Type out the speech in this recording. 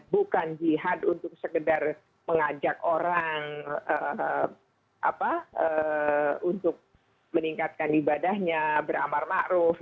bukan jihad untuk sekedar mengajak orang untuk meningkatkan ibadahnya beramar ma'ruf